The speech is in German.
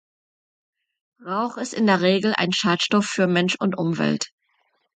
Rauch ist in der Regel ein Schadstoff für Mensch und Umwelt.